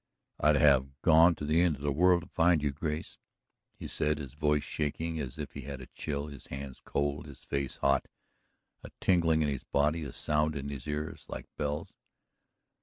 "I'd have gone to the end of the world to find you, Grace," he said, his voice shaking as if he had a chill, his hands cold, his face hot, a tingling in his body, a sound in his ears like bells.